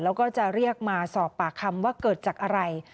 แล้วก็จะเรียกมาสอบปากคำว่าเกิดจากอะไร